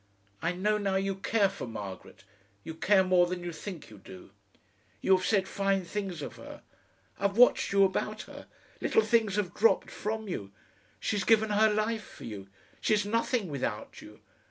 I know now you care for Margaret you care more than you think you do. You have said fine things of her. I've watched you about her. Little things have dropped from you. She's given her life for you; she's nothing without you.